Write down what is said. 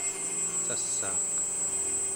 sassaaq